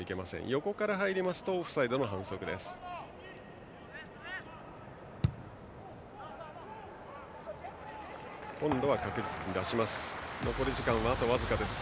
横から入りますとオフサイドの反則です。